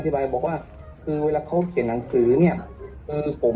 บอกว่าคือเวลาเขาเขียนหนังสือเนี่ยเออผม